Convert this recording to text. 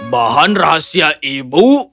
bahan rahasia ibu